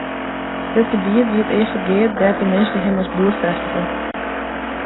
Dit gebiet wie it earste gea dêr't de minske him as boer fêstige.